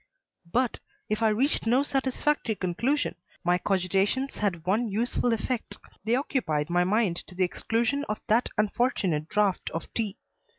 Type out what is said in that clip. But, if I reached no satisfactory conclusion, my cogitations had one useful effect; they occupied my mind to the exclusion of that unfortunate draught of tea.